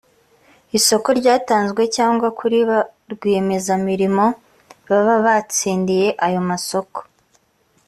isoko ryatanzwe cyangwa kuri ba rwiyemezamirimo baba batsindiye ayo masoko